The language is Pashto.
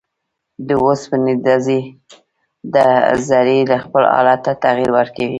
د اوسپنې ذرې خپل حالت ته تغیر ورکوي.